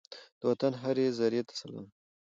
د وطن هرې زرې ته سلام!